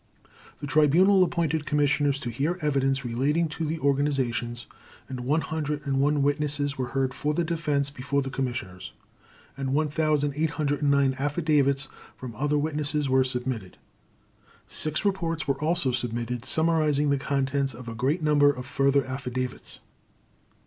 The Tribunal appointed Commissioners to hear evidence relating to the organizations, and 101 witnesses were heard for the Defense before the Commissioners, and 1,809 affidavits from other witnesses were submitted. Six reports were also submitted, summarizing the contents of a great number of further affidavits.